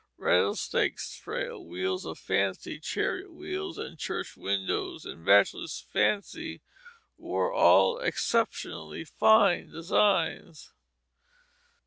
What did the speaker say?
"Rattlesnake's Trail," "Wheels of Fancy," "Chariot Wheels and Church Windows," and "Bachelor's Fancy" were all exceptionally fine designs.